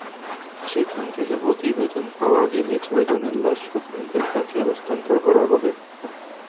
সেখান থেকে প্রতিবেদন পাওয়া গেলে ছয়জনের লাশ স্বজনদের কাছে হস্তান্তর করা হবে।